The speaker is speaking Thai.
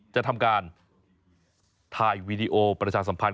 จะทำการถ่ายวีดีโอประชาสัมพันธ